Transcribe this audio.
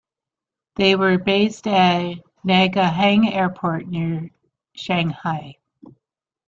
They were based at Nangahang airport, near Shanghai.